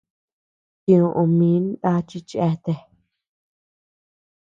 Tioʼö min na chi cheatea.